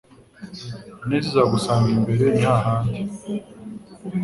Ineza izagusanga imbere nihahandi